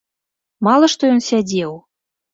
Мала што ён сядзеў.